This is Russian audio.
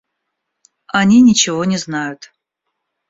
Они ничего не знают.